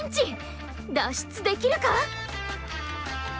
脱出できるか？